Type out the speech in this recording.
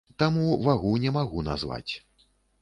Таму вагу не магу назваць.